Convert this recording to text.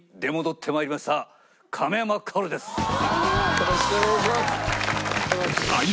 よろしくお願いします！